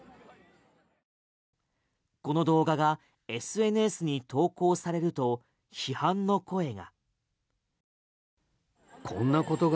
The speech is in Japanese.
この動画がＳＮＳに投稿されると批判の声が。